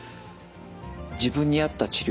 自分に合った治療